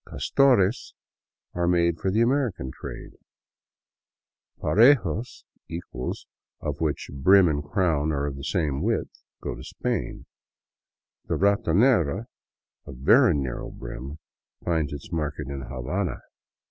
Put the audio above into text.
"' Castores " are made for the American trade; " parejos "— "equals," of which brim and crown are of the same width, — go to Spain ; the " ratonera," of very narrow brim, finds its market in Habana.